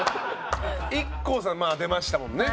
ＩＫＫＯさんまあ出ましたもんね